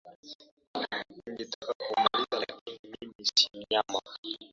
Ningetaka kukumaliza lakini mimi si mnyama